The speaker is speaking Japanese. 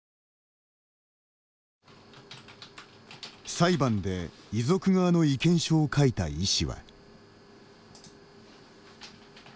裁判で遺族側の意見書を書いた医師は。